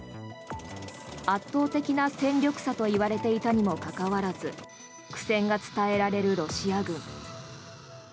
圧倒的な戦力差と言われていたにもかかわらず苦戦が伝えられるロシア軍。